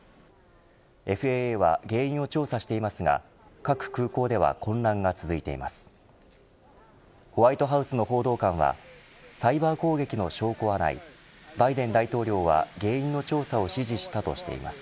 ＦＡＡは原因を調査していますが各空港では混乱が続いています。